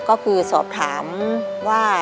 ก็คือสอบถามว่า